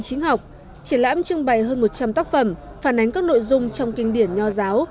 chính học triển lãm trưng bày hơn một trăm linh tác phẩm phản ánh các nội dung trong kinh điển nho giáo